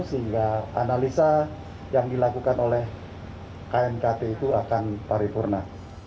sehingga analisa yang dilakukan oleh knkt itu akan paripurna